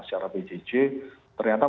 secara pcc ternyata